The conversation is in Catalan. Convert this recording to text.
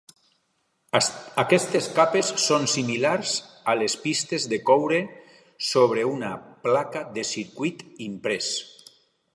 Aquestes capes són similars a les pistes de coure sobre una placa de circuit imprès.